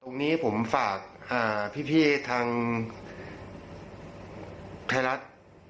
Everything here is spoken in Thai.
ตรงนี้ผมฝากพี่ทางไทยรัฐ